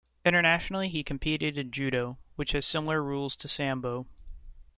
Internationally he competed in judo, which has similar rules to sambo.